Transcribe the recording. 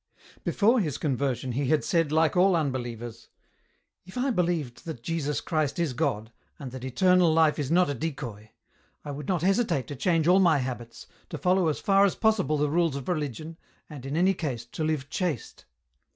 Before his conversion he had said Hke all unbelievers :" If I believed that Jesus Christ is God, and that eternal life is not a decoy, I would not hesitate to change all my habits, to follow as far as possible the rules of religion, and, in any case, to live chaste."